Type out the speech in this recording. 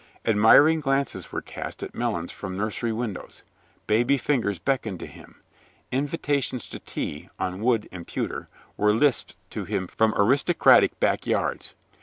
Admiring glances were cast at Melons from nursery windows. Baby fingers beckoned to him. Invitations to tea (on wood and pewter) were lisped to him from aristocratic back yards.